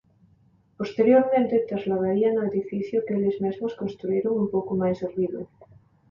Posteriormente trasladaríana ao edificio que eles mesmos construíron un pouco máis arriba.